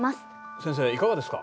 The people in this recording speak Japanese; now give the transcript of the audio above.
先生いかがですか？